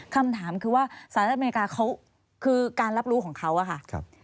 คำถามคือว่าสหรัฐอเมริกาเขาคือการรับรู้ของเขาอะค่ะ